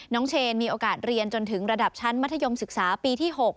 เชนมีโอกาสเรียนจนถึงระดับชั้นมัธยมศึกษาปีที่๖